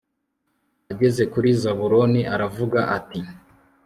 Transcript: ageze kuri zabuloni aravuga ati